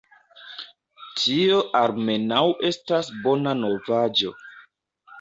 Tio almenaŭ estas bona novaĵo.